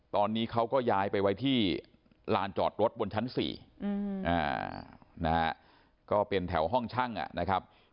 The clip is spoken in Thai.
ตอนนี้เขาก็ย้ายไปไว้ที่ลานจอดรถบนชั้น๔นะฮะก็เป็นแถวห้องช่างนะครับ